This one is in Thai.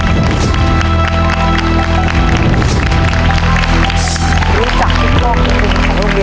ครับ